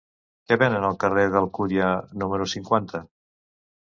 Què venen al carrer d'Alcúdia número cinquanta?